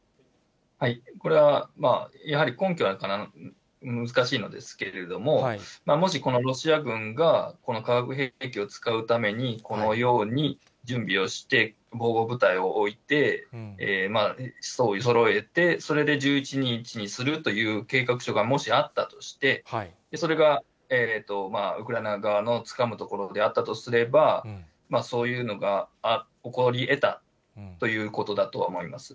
これは、やはり根拠は難しいのですけれども、もしこのロシア軍が、この化学兵器を使うために、このように準備をして、防護部隊を置いて、人をそろえて、それで１１日にするという計画書がもしあったとして、それがウクライナ側のつかむところであったとすれば、そういうのが起こりえたということだとは思います。